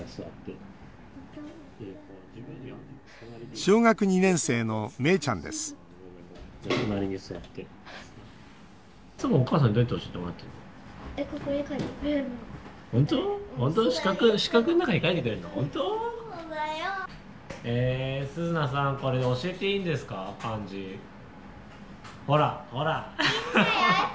小学２年生のめーちゃんですほら、ほら。